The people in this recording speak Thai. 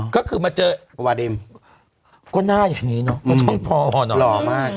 ก็คือมาเจอก็หน้าอย่างนี้เนาะต้องพอเนาะหล่อมาก